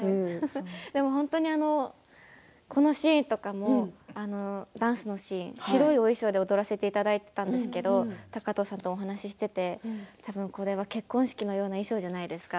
本当に、このシーンとかもダンスのシーン白い衣装で踊らせていただいていたんですけど高藤さんとお話ししていて多分これは結婚式のような衣装じゃないですか？